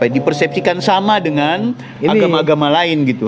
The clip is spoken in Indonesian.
di persepsikan sama dengan agama agama lain gitu